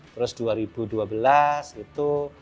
terus dua ribu dua belas itu